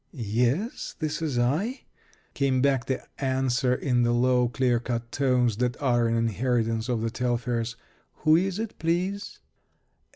"Yes, this is I," came back the answer in the low, clear cut tones that are an inheritance of the Telfairs. "Who is it, please?"